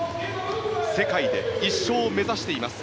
世界で１勝を目指しています。